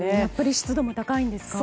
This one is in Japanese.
湿度も高いんですか。